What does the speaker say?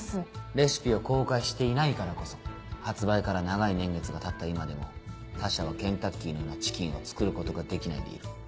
レシピを公開していないからこそ発売から長い年月がたった今でも他社はケンタッキーのようなチキンを作ることができないでいる。